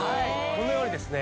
このようにですね